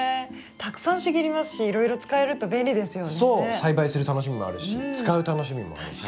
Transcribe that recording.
栽培する楽しみもあるし使う楽しみもあるし。